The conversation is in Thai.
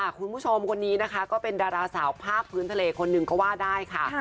แต่คุณผู้ชมเป็นดาราสาวภาพพื้นทะเลก็ว่าได้ค่ะ